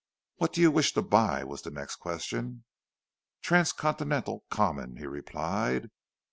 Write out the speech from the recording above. "What do you wish to buy?" was the next question. "Transcontinental Common," he replied.